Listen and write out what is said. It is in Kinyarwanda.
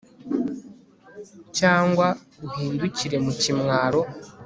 cyangwa uhindukire mu kimwaro